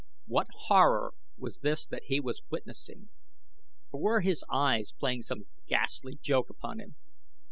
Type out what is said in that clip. What horror was this that he was witnessing? Or were his eyes playing some ghastly joke upon him?